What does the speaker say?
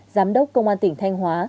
giám đốc công an tỉnh thanh hóa